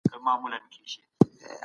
قاضي اوس يوه عادلانه فيصله کوي.